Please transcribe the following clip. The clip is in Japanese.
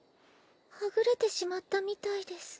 はぐれてしまったみたいです。